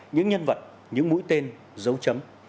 những nhân vật những mũi tên dấu chấm